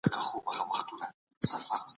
خپل عیبونه وګورئ.